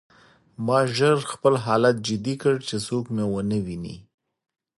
ما ژر خپل حالت جدي کړ چې څوک مې ونه ویني